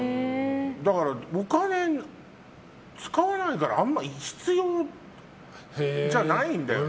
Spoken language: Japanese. お金使わないからあんまり必要じゃないんだよね。